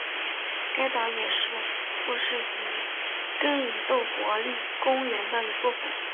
该岛也是富士箱根伊豆国立公园的一部分。